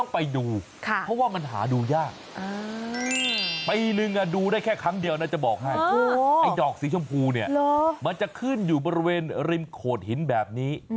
ปีนึงดูได้แค่ครั้งเดียวน่าจะบอกให้ดอกสีชมพูเนี่ยมันจะขึ้นอยู่บริเวณริมโขดหินแบบนี้